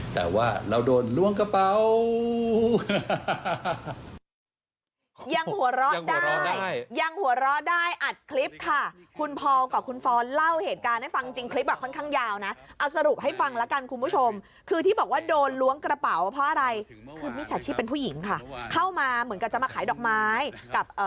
แต่ว่าเราโดนล้วงกระเป๋า